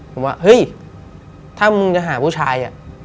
ผมว่าเฮ้ยถ้ามึงจะหาผู้ชาย